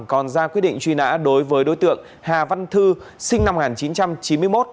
còn ra quyết định truy nã đối với đối tượng hà văn thư sinh năm một nghìn chín trăm chín mươi một